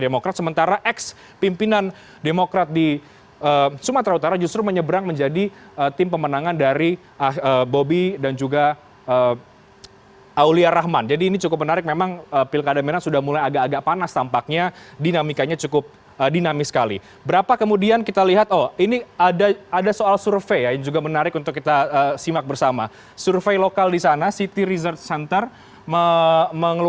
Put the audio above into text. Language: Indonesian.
menunjukkan bahwa masing masing